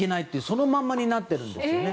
そのままになってるんです。